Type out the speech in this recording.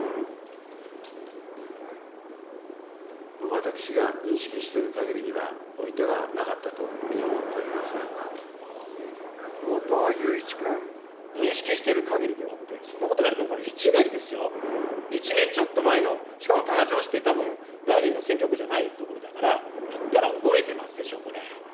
私が認識しているかぎりにおいてはなかったというふうに思っ後藤祐一君。認識しているかぎりではって、そんなこと言われても、１年ですよ、１年ちょっと前の、しかも多賀城市ってたぶん、大臣の選挙区じゃない所だから、行ったら覚えてますでしょ、これ。